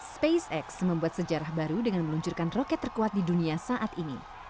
spacex membuat sejarah baru dengan meluncurkan roket terkuat di dunia saat ini